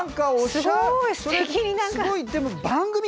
すごい。